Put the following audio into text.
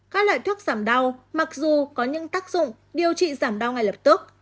các loại thuốc giảm đau mặc dù có những tác dụng điều trị giảm đau ngay lập tức